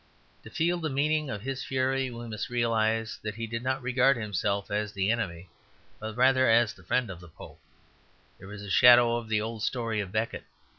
To feel the meaning of his fury we must realize that he did not regard himself as the enemy but rather as the friend of the Pope; there is a shadow of the old story of Becket.